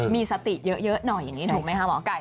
มีสติเยอะหน่อยอย่างนี้ถูกไหมคะหมอไก่